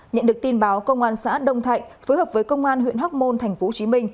nhận được tin báo công an xã đông thạnh phối hợp với công an huyện hóc môn tp hcm